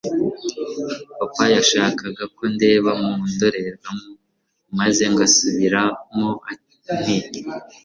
papa yashakaga ko ndeba mu ndorerwamo maze ngasubiramo nti